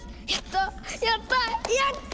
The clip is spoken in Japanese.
やった！